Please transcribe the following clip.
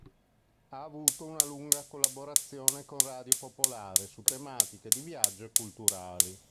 Ha avuto una lunga collaborazione con Radio Popolare su tematiche di viaggio e culturali.